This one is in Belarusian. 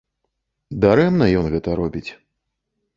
Дарэмна ён гэта робіць.